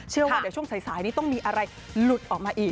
เชื่อว่าเดี๋ยวช่วงสายนี้ต้องมีอะไรหลุดออกมาอีก